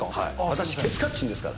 私、ケツカッチンですから。